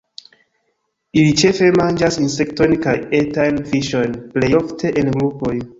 Ili ĉefe manĝas insektojn kaj etajn fiŝojn, plej ofte en grupoj.